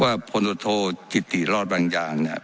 ว่าพลโทษจิตติรอดบางอย่างเนี่ย